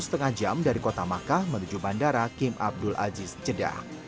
balat terletak sekitar satu lima jam dari kota makkah menuju bandara king abdul aziz jeddah